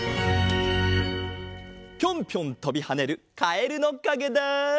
ピョンピョンとびはねるカエルのかげだ！